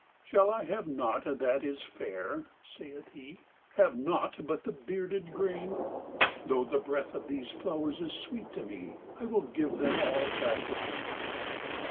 "Shall I have naught that is fair?" saith he;"Have naught but the bearded grain? Though the breath of these flowers is sweet to me,I will give them all back again."